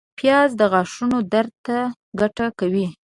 پیاز د غاښونو درد ته ګټه کوي